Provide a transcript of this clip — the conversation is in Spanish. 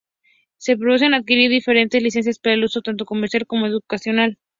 Se pueden adquirir diferentes licencias para el uso tanto comercial como educacional.